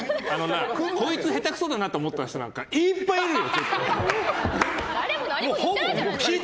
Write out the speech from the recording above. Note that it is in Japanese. こいつ下手くそだなって思った人なんかいっぱいいるよ